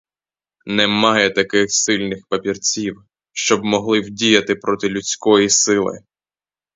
Немає таких сильних папірців, що б могли вдіяти проти людської сили.